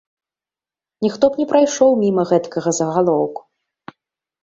Ніхто б не прайшоў міма гэткага загалоўку.